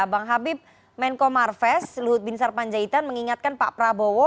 bang habib menko marves luhut binsar panjaitan mengingatkan pak prabowo